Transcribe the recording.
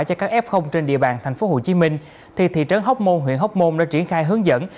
cho các f trên địa bàn tp hcm thì thị trấn hóc môn huyện hóc môn đã triển khai hướng dẫn